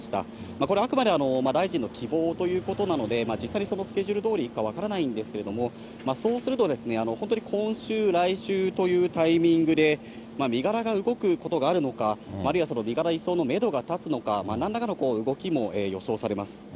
これ、あくまで大臣の希望ということなので、実際にそのスケジュールどおりいくか分からないんですけれども、そうすると、本当に今週、来週というタイミングで、身柄が動くことがあるのか、あるいは身柄移送のメドが立つのか、なんらかの動きも予想されます。